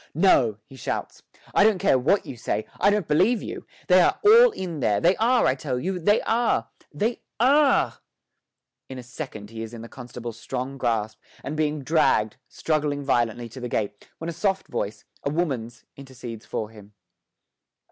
'No!' he shouts. 'I don't care what you say; I don't believe you: they are all in there they are, I tell you, they are they are!' In a second he is in the constable's strong grasp and being dragged, struggling violently, to the gate, when a soft voice, a woman's, intercedes for him.